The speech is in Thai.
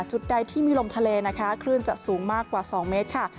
จุดใดที่มีลมทะเลนะคะคลื่นจะสูงมากกว่า๒เมตรค่ะ